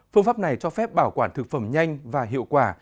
phương pháp này cho phép bảo quản thực phẩm nhanh và hiệu quả